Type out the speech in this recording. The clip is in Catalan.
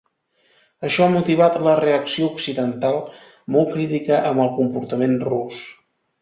Això ha motivat la reacció occidental, molt crítica amb el comportament rus.